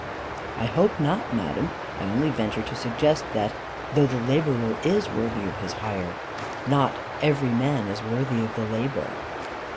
"I hope not, madam. I only venture to suggest that, though the labourer is worthy of his hire, not every man is worthy of the labour."